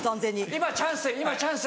今チャンス